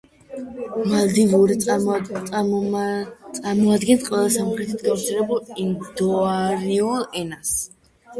მალდივური წარმოადგენს ყველაზე სამხრეთით გავრცელებულ ინდოარიულ ენას.